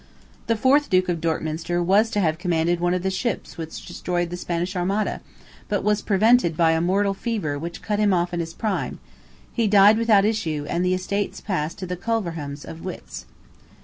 The fourth Duke of Dorkminster was to have commanded one of the ships which destroyed the Spanish Armada, but was prevented by a mortal fever which cut him off in his prime; he died without issue, and the estates passed to the Culverhams of Wilts."